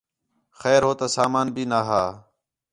خیر ہو تا سامان بھی نا ہا